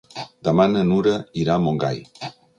Demà na Nura irà a Montgai.